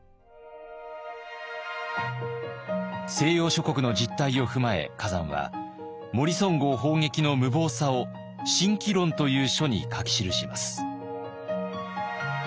西洋諸国の実態を踏まえ崋山はモリソン号砲撃の無謀さを「慎機論」という書に書き記します。